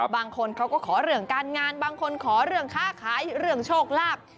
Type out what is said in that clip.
บางคนเขาก็ขอเรื่องการงานบางคนขอเรื่องค้าขายเรื่องโชคลาภ